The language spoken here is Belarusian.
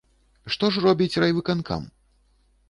Што ж робіць райвыканкам?